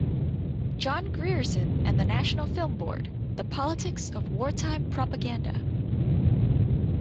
John Grierson and the National Film Board: The Politics of Wartime Propaganda.